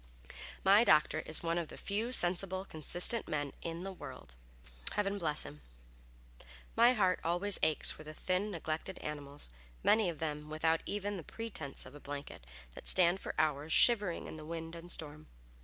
My doctor is one of the few sensible, consistent men in the world; heaven bless him! My heart always aches for the thin, neglected animals, many of them without even the pretense of a blanket, that stand for hours shivering in the wind and storm.